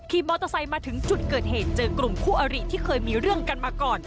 มอเตอร์ไซค์มาถึงจุดเกิดเหตุเจอกลุ่มคู่อริที่เคยมีเรื่องกันมาก่อน